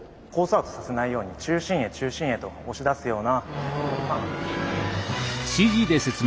アウトさせないように中心へ中心へと押し出すような。